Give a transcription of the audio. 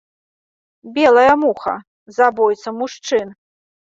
Белая муха, забойца мужчын.